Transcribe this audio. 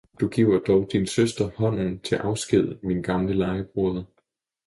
Du giver dog din søster hånden til afsked, min gamle legebroder!